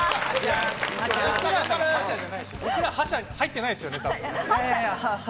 僕ら覇者に入ってないですよ